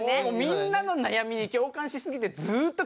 みんなの悩みに共感しすぎてずっと聞いてた。